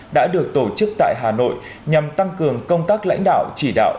đã được tổ chức tại hà nội nhằm tăng cường công tác lãnh đạo chỉ đạo